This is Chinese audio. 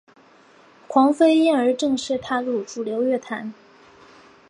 黄妃因而正式踏入主流乐坛。